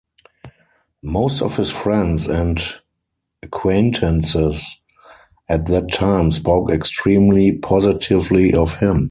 Most of his friends and acquaintances at that time spoke extremely positively of him.